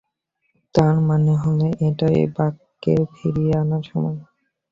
তার মানে হলো, এটাই বাককে ফিরিয়ে আনার সময়।